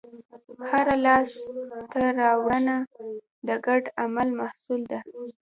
هره لاستهراوړنه د ګډ عمل محصول ده.